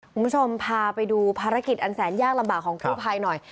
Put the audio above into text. คุณผู้ชมพาไปดูภารกิจอันแสนยากลำบากของกู้ภัยหน่อย